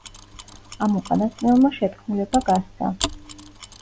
ამ უკანასკნელმა შეთქმულება გასცა.